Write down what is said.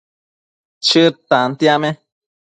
Chëd tantiame